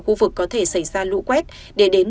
khu vực có thể xảy ra lũ quét để đến